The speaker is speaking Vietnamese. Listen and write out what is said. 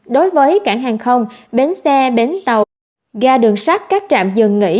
đối với cảng hàng không bến xe bến tàu ga đường sắt các trạm dừng nghỉ